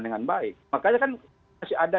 dengan baik makanya kan masih ada